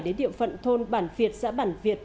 đến điệu phận thôn bản việt xã bản việt